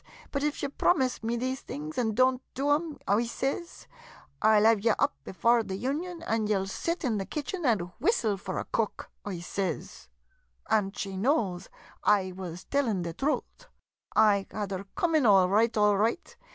But if ye promise me these things an' don't do um," I sez, " I '11 have ye up before the Union, an' ye '11 sit in the kitchen an' whistle for a cook," I sez. An' she knows I wuz tellin' her the truth. I had her coomin' all roight — all roight.